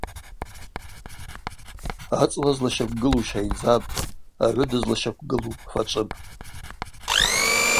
Ацӏла злащаквгылу щайдзапӏ, агӏвы дызлащаквгылу фачӏвыпӏ.